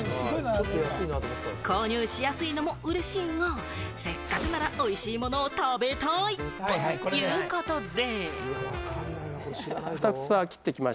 購入しやすいのもうれしいが、せっかくなら美味しいものを食べたい。ということで。